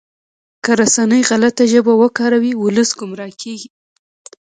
که رسنۍ غلطه ژبه وکاروي ولس ګمراه کیږي.